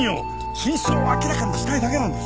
真相を明らかにしたいだけなんです。